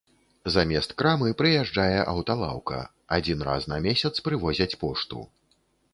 Замест крамы прыязджае аўталаўка, адзін раз на месяц прывозяць пошту.